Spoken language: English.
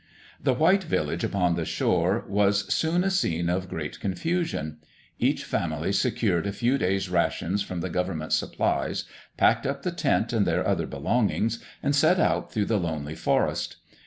The white village upon the shore was soon a scene of great confusion. Each family secured a few days' rations from the government supplies, packed up the tent and their other belongings, and set out through the lonely forest.